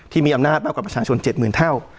ที่มีอำนาจมากกว่าประชาชนเจ็ดหมื่นเท่า